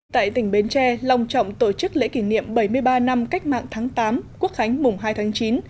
tại tỉnh bến tre long trọng tổ chức lễ kỷ niệm bảy mươi ba năm cách mạng tháng tám quốc khánh mùng hai tháng chín